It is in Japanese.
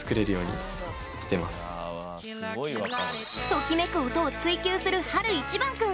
ときめく音を追求する晴いちばん君。